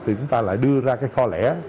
thì chúng ta lại đưa ra cái kho lẻ